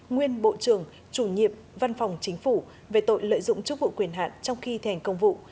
nguyên bộ trưởng chủ nhiệm văn phòng chính phủ về tội lợi dụng chức vụ quyền hạn trong khi thành công vụ